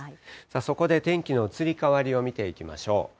そこで天気の移り変わりを見ていきましょう。